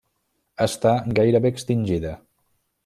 Està gairebé extingida.